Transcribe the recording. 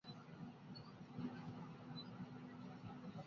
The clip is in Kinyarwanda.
rumaze kugeramo ruriba